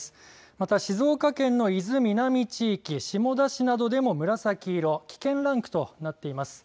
また、静岡県の伊豆南地域下田市などでも紫色危険ランクとなっています。